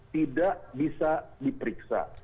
tidak bisa diperiksa